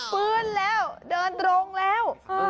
ฟื้นแล้วเดินตรงแล้ว